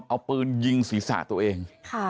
เอาปืนยิงศีรษะตัวเอง